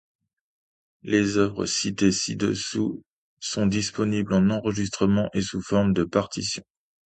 Les œuvres citées ci-dessus sont disponibles en enregistrements et sous forme de partitions.